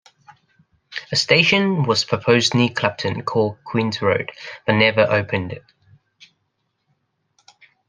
A station was proposed near Clapton called Queens Road but never opened.